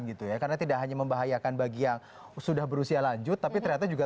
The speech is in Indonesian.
gitu ya karena tidak hanya membahayakan bagi yang sudah berusia lanjut tapi ternyata juga